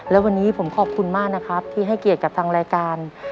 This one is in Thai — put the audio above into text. และวันนี้ผมขอบคุณมากนะครับที่ให้เกียรติกับทางรายการ